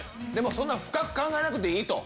そんなん深く考えなくていいと。